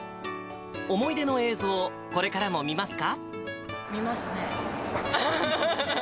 思い出の映像、これからも見見ますね。